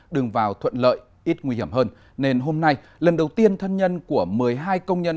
đường vào thuận lợi ít nguy hiểm hơn nên hôm nay lần đầu tiên thân nhân của một mươi hai công nhân